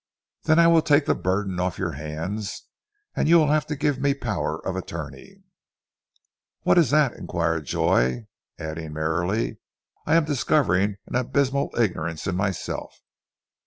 "Then I will take the burden off your hands, and you will have to give me power of attorney." "What is that?" inquired Joy, adding merrily, "I am discovering an abysmal ignorance in myself."